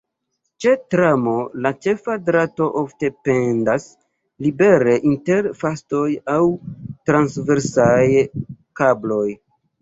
Ĉe tramo la ĉefa drato ofte pendas libere inter fostoj aŭ transversaj kabloj.